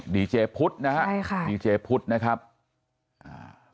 ดีเจพุทธนะฮะใช่ค่ะดีเจพุทธนะครับอ่า